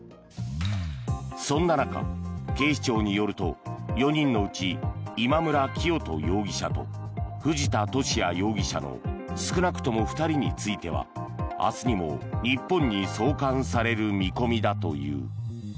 そんな中、警視庁によると４人のうち今村磨人容疑者と藤田聖也容疑者の少なくとも２人については明日にも日本に送還される見込みだという。